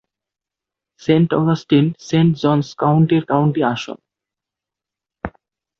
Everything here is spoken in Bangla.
সেন্ট অগাস্টিন সেন্ট জনস কাউন্টির কাউন্টি আসন।